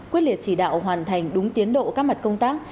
quyết liệt chỉ đạo hoàn thành đúng tiến độ các mặt công tác